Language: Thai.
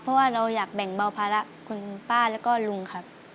เพราะว่าเราอยากแบ่งเบาภาระคุณป้าแล้วก็ลุงครับ